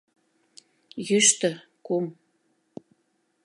— Йӱштӧ, кум.